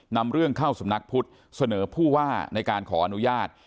นำเรื่องเข้าสำนักพุทธเสนอผู้ว่าในการขออนุญาต